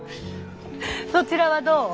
そちらはどう？